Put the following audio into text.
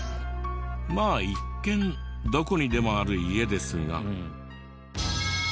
まあ一見どこにでもある家ですが。